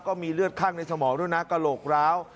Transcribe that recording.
ก็มีเลือดข้างในสมองด้วยนะกระโหลกร้าว